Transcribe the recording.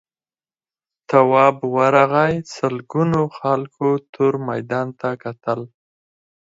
تواب ورغی سلگونو خلکو تور میدان ته کتل.